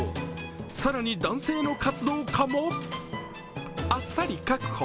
更に男性の活動家も、あっさり確保